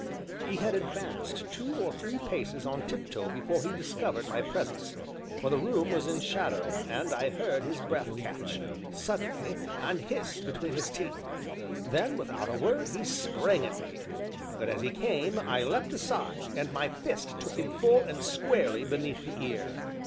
He had advanced two or three paces on tiptoe before he discovered my presence, for the room was in shadow, and I heard his breath catch, suddenly, and hiss between his teeth; then, without a word, he sprang at me. But as he came, I leapt aside, and my fist took him full and squarely beneath the ear.